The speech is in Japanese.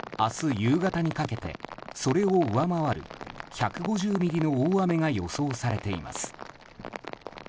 夕方にかけて、それを上回る１５０ミリの大雨が予想されています。